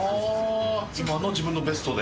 今の自分のベストで。